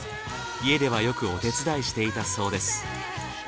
家ではよくお手伝いしていたそうです。